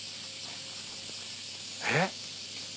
えっ？